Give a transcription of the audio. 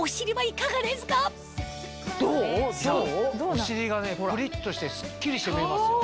お尻がねぷりっとしてスッキリして見えますよ。